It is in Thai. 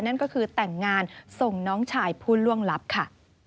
นั่นก็คือแต่งงานส่งน้องชายผู้ล่วงลับค่ะ